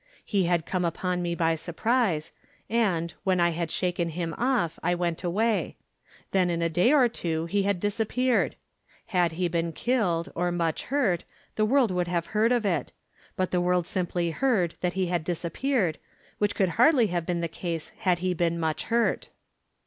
He had come upon me by surprise; and, when I had shaken him off, I went away. Then in a day or two he had disappeared. Had he been killed, or much hurt, the world would have heard of it: but the world simply heard that he had disappeared, which could hardly have been the case had he been much hurt.